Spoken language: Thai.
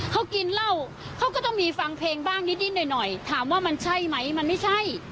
เขากินเหล้าเขาก็ต้องมีฟังเพลงบ้างนิดหน่อยหน่อยถามว่ามันใช่ไหมมันไม่ใช่